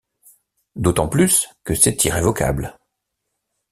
D’autant plus que c’est irrévocable.